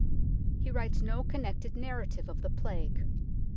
He writes no connected narrative of the Plague.